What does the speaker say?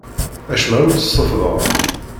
Acemma ur t-seffḍeɣ.